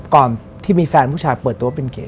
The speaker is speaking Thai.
ก่อนที่มีแฟนผู้ชายเปิดตัวเป็นเก๋